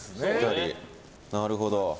なるほど。